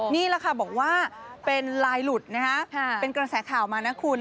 นี่แหละค่ะบอกว่าเป็นลายหลุดนะฮะเป็นกระแสข่าวมานะคุณ